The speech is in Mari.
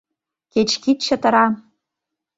Кеч кид чытыра